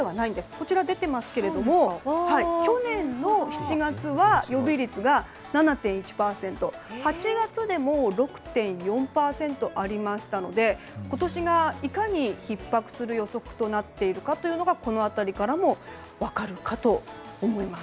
こちら出ていますが去年の７月は予備率は７．１％８月でも６．４％ありましたので今年がいかにひっ迫する予測となっているかがこの辺りからも分かるかと思います。